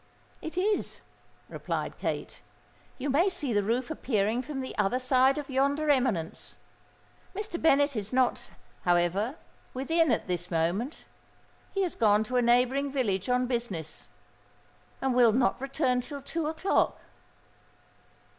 "It is," replied Kate. "You may see the roof appearing from the other side of yonder eminence. Mr. Bennet is not, however, within at this moment: he has gone to a neighbouring village on business, and will not return till two o'clock."